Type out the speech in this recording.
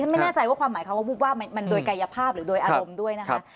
ไม่แน่ใจว่าความหมายคำว่าวูบวาบมันโดยกายภาพหรือโดยอารมณ์ด้วยนะคะ